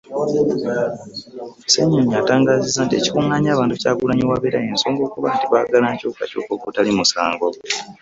Ssennyonyi atangaazizza nti ekikuŋŋaanya abantu Kyagulanyi w’abeera y’ensonga y’okuba nti baagala nkyukakyuka ogutali musango.